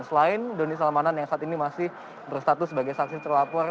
selain doni salmanan yang saat ini masih berstatus sebagai saksi terlapor